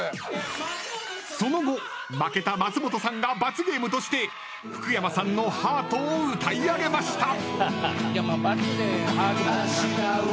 その後、負けた松本さんが罰ゲームとして福山さんのＨｅａｒｔを歌い上げました。